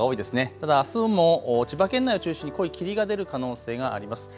ただあすも千葉県内を中心に濃い霧が出る可能性があります。